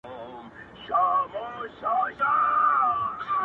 د هوا نه یې مرګ غواړه قاسم یاره,